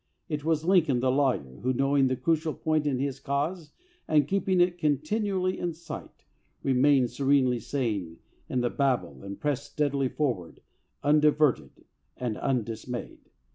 It was Lincoln the lawyer who, knowing the crucial point in his cause and keeping it continually in sight, re mained serenely sane in the Babel and pressed steadily forward, undiverted and undismayed.